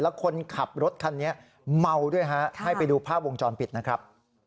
แล้วคนขับรถคันนี้เมาด้วยฮะให้ไปดูภาพวงจรปิดนะครับ